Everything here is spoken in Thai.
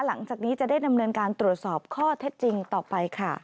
หลังจากนี้จะได้ดำเนินการตรวจสอบข้อเท็จจริงต่อไปค่ะ